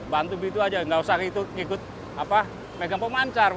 bantu begitu saja tidak usah ikut pegang pemancar